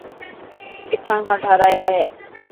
ڪٿان کان ٺاهرايا هي.